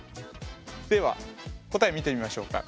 では答え見てみましょうか。